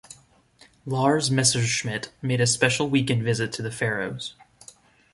Lars Messerschmidt, made a special weekend visit to the Faroes.